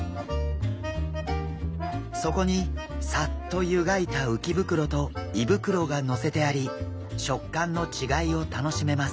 そこにさっと湯がいた鰾と胃袋がのせてあり食感の違いを楽しめます。